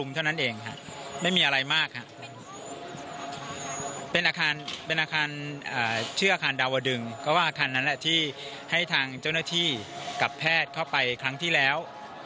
ที่ให้ทางเจ้าหน้าที่กับแพทย์เข้าไปครั้งที่แล้ว